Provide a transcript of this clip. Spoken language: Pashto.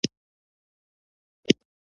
بهلول وویل: مثلاً اور یخ احساسوم.